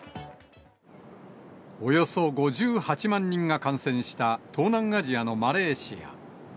およそ５８万人が感染した東南アジアのマレーシア。